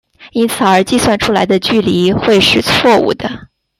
因此而计算出来的距离会是错武的。